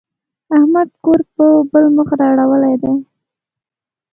احمد کور پر بل مخ را اړولی دی.